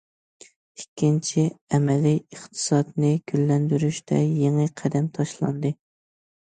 ئىككىنچى، ئەمەلىي ئىقتىسادنى گۈللەندۈرۈشتە يېڭى قەدەم تاشلاندى.